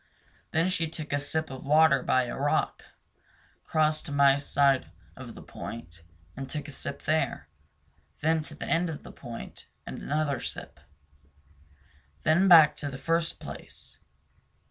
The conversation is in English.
Then she took a sip of water by a rock, crossed to my side of the point, and took a sip there; then to the end of the point, and another sip; then back to the first place.